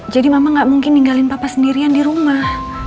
jadi mama gak mungkin tinggalin papa sendirian di rumah